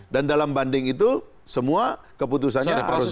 dan dalam banding itu semua keputusannya harus ditar